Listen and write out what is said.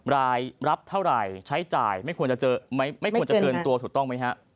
รายรับเท่าไหร่ใช้จ่ายไม่ควรเกินตัวถูกต้องไหม